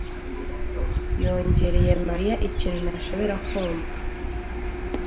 yongorera Mariya ikintu ntashobora kumva.